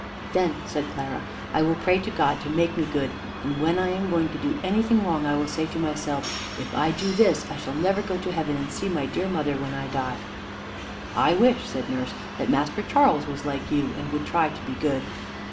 "Then," said Clara, "I will pray to God to make me good, and when I am going to do anything wrong I will say to myself, 'If I do this, I shall never go to heaven, and see my dear mother when I die.'" "I wish," said nurse, "that Master Charles was like you, and would try to be good."